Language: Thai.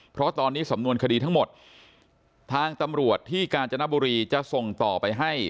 เพราะตอนนี้สำนวนคดีทั้งหมดทางตำรวจที่กาญจนบุรีจะส่งต่อไปให้